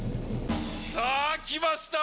さぁ！来ました。